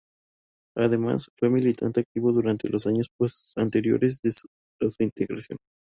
Además, fue militante activo durante los años anteriores a su integración.